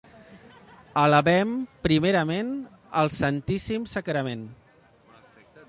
Alabem primerament el Santíssim Sagrament.